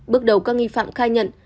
bước đầu các nghi phạm khai nhận